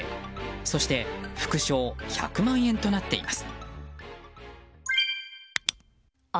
そして副賞１００万円となっています。